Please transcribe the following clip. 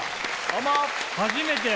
初めて。